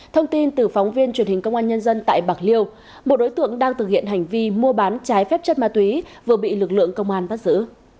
thông tin từ phóng viên truyền hình công an nhân dân tại bạc liêu một đối tượng đang thực hiện hành vi mua bán trái phép chất ma túy vừa bị lực lượng công an bắt giữ